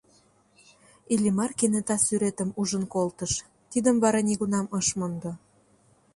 Иллимар кенета сӱретым ужын колтыш, тидым вара нигунам ыш мондо.